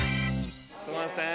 すいません。